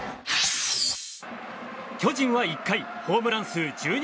巨人は１回ホームラン数１２